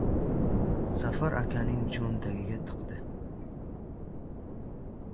Safar akaning cho‘n- tagiga tiqdi.